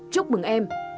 chúc mừng em